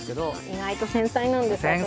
意外と繊細なんです私。